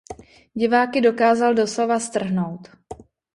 Diváky dokázal doslova strhnout.